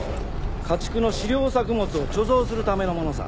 家畜の飼料作物を貯蔵するためのものさ。